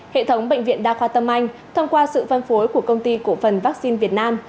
hệ thống bệnh viện đa khoa tâm anh thông qua sự phân phối của công ty cổ phần vaccine việt nam